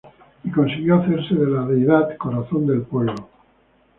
Y consiguió hacerse de la deidad Corazón del Pueblo.